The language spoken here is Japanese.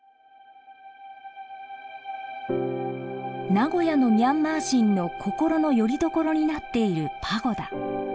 名古屋のミャンマー人の心のよりどころになっているパゴダ。